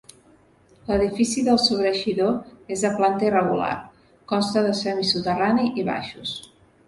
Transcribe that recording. L'edifici del sobreeixidor és de planta irregular, consta de semisoterrani i baixos.